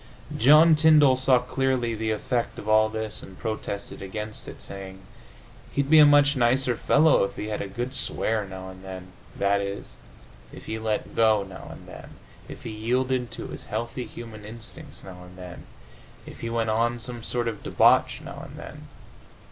John Tyndall saw clearly the effect of all this and protested against it, saying, "He'd be a much nicer fellow if he had a good swear now and then" i. e., if he let go now and then, if he yielded to his healthy human instincts now and then, if he went on some sort of debauch now and then.